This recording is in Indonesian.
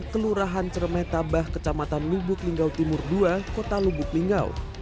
kelurahan cermetabah kecamatan lubuk linggau timur dua kota lubuk linggau